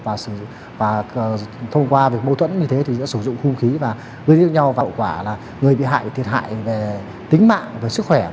và thông qua việc mâu thuẫn như thế thì sẽ sử dụng khung khí và gây nhau hậu quả là người bị thiệt hại về tính mạng về sức khỏe